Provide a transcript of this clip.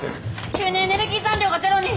急にエネルギー残量がゼロに。